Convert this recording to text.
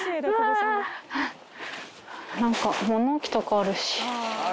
なんか物置とかあるし。